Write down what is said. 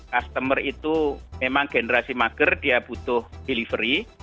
customer itu memang generasi mager dia butuh delivery